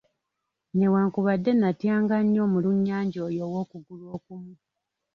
Newakubadde natyanga nnyo omulunnyanja oyo ow'okugulu okumu.